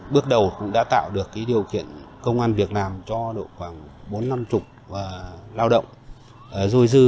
bước đầu cũng đã tạo được điều kiện công an việc làm cho độ khoảng bốn năm mươi lao động dôi dư